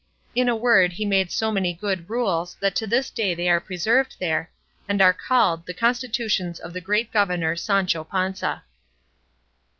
In a word, he made so many good rules that to this day they are preserved there, and are called The constitutions of the great governor Sancho Panza.